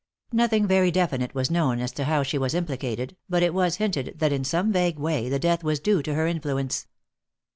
Nothing very definite was known as to how she was implicated, but it was hinted that in some vague way the death was due to her influence.